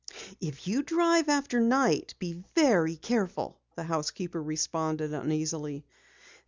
"If you drive after night, be very careful," the housekeeper responded uneasily.